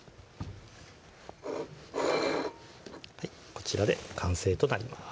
こちらで完成となります